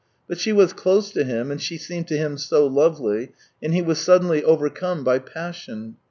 But she was close to him, and she seemed to him so lovely, and he was suddenly overcome by passion.